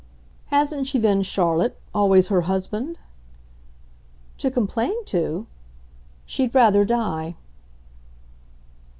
"Hasn't she then, Charlotte, always her husband ?" "To complain to? She'd rather die."